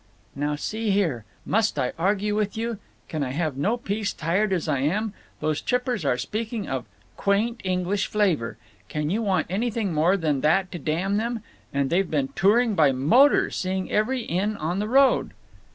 "Now see here. Must I argue with you? Can I have no peace, tired as I am? Those trippers are speaking of 'quaint English flavor.' Can you want anything more than that to damn them? And they've been touring by motor—seeing every inn on the road."